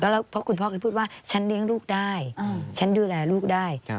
แล้วเพราะคุณพ่อแกพูดว่าฉันเลี้ยงลูกได้ฉันดูแลลูกได้